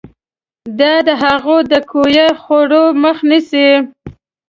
دا د هغو د کویه خوړو مخه نیسي.